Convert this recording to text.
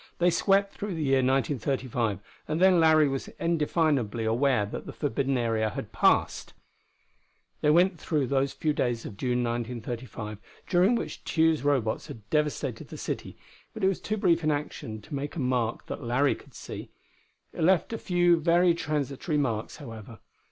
They swept through the year 1935, and then Larry was indefinably aware that the forbidden area had passed. They went through those few days of June, 1935, during which Tugh's Robots had devastated the city, but it was too brief an action to make a mark that Larry could see. It left a few very transitory marks, however.